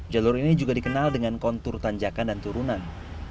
jalur ini juga dikenal dengan kontur tanjakan dan turunan